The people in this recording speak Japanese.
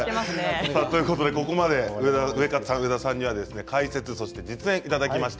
ここまでウエカツさん、上田さんに解説そして実演いただきました。